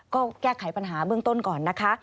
ก็แก้ไขปัญหาเบื้องต้นก่อนนะคะ